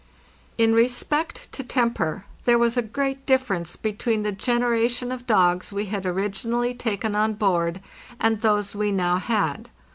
In respect to temper, there was a great difference between the generation of dogs we had originally taken on board and those we now had.